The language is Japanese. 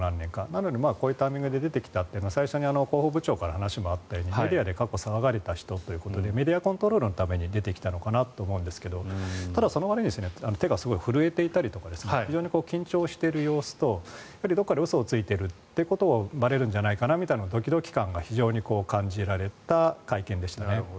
なので、こういうタイミングで出てきたというのは最初に広報部長から話もあったようにメディアで過去騒がれたということでメディアコントロールのために出てきたのかなと思いますがただ、そのわりに手がすごく震えていたりとか非常に緊張している様子とどこかで嘘がついていることがばれるんじゃないかというドキドキ感が感じられた会見でしたね。